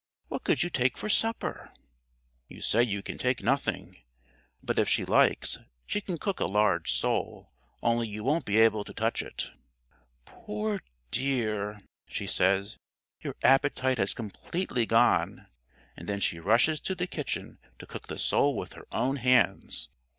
What could you take for supper?" You say you can take nothing, but if she likes she can cook a large sole, only you won't be able to touch it. [Illustration: "But try to take it, John, for my sake"] "Poor dear," she says, "your appetite has completely gone," and then she rushes to the kitchen to cook the sole with her own hands.